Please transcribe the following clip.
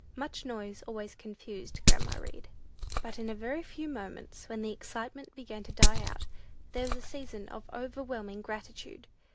Much noise always confused grandma Read. But in a very few moments, when the excitement began to die out, there was a season of overwhelming gratitude.